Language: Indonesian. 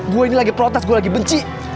gua ini lagi protes gua lagi benci